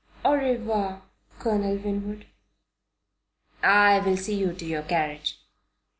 Au revoir, Colonel Winwood " "I will see you to your carriage."